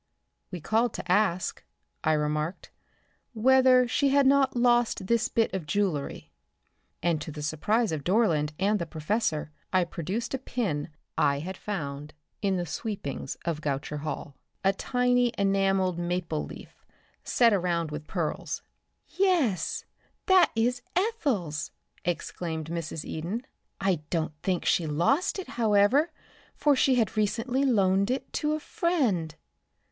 "We called to ask," I remarked, "whether she had not lost this bit of jewelry." And to the surprise of Dorland and the professor I produced a pin I had found in the sweepings of Goucher Hall, a tiny enameled maple leaf, set around with pearls. "Yes, that is Ethel's!" exclaimed Mrs. Eden. "I don't think she lost it, however, for she had recently loaned it to a friend."